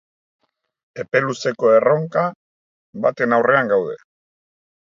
Epe luzeko erronka baten aurrean gaude.